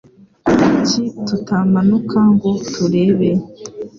Kuki tutamanuka ngo turebe?